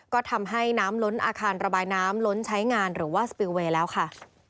ก็ทำให้น้ำล้นอาคารระบายน้ำล้นใช้งานหรือว่าสปิลเวย์แล้วค่ะ